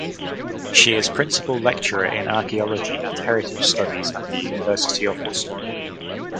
She is principal lecturer in archaeology and heritage studies at the University of Worcester.